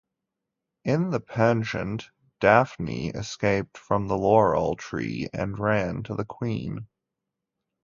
In the pageant "Daphne" escaped from the laurel tree and ran to the queen.